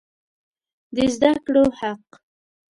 د زده کړو حق